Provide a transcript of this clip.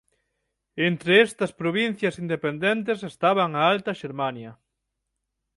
Entre estas provincias independentes estaban a alta Xermania.